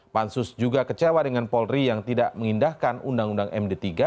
pansus juga kecewa dengan polri yang tidak mengindahkan undang undang md tiga